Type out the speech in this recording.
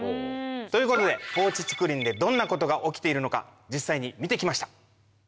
ということで放置竹林でどんなことが起きているのか実際に見て来ました。